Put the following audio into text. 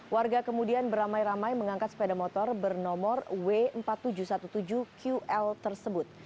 warga kemudian beramai ramai mengangkat sepeda motor bernomor w empat ribu tujuh ratus tujuh belas ql tersebut